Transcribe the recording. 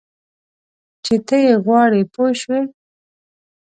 چې ته یې غواړې پوه شوې!.